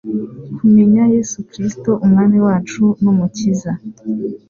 kumenya yesu kristo umwami wacu n umukiza